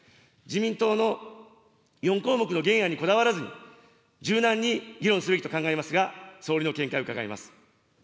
自民党の４項目の原案にこだわらずに、柔軟に議論すべきと考えますが、総理の見解を伺います。